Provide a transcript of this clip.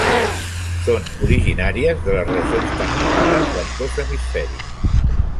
Són originàries de les regions temperades d'ambdós hemisferis.